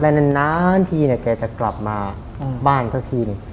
แล้วในนั้นทีเนี่ยแกจะกลับมาบ้านเท่าที